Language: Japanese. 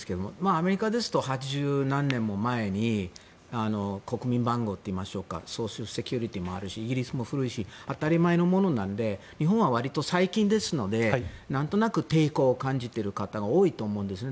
アメリカですと８０何年も前に国民番号というようなセキュリティーもあるしイギリスも古いし当たり前のものなので日本は割と最近ですので何となく抵抗を感じている方が多いと思うんですね。